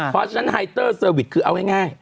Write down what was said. เพราะฉะนั้นไฮเตอร์เซอร์วิสคือเอาง่าย